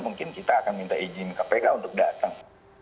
mungkin kita akan minta izin kpk untuk datang